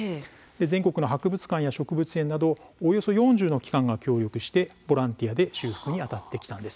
全国の博物館や植物園などおよそ４０の機関が協力してボランティアで修復にあたってきました。